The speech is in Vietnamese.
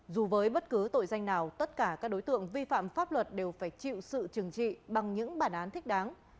dù với bất cứ tội danh nào tất cả các đối tượng vi phạm pháp luật đều phải chịu sự trừng trị bằng những bản án thích đáng